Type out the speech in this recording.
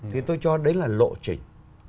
thì tôi cho đến là lộ trình